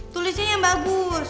tulisnya yang bagus